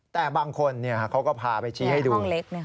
แต่บางคนเขาก็พาไปชี้ให้ดู